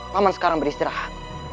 pak man sekarang beristirahat